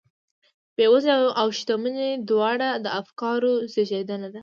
بېوزلي او شتمني دواړې د افکارو زېږنده دي.